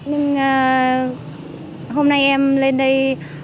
nhưng hôm nay em lên đây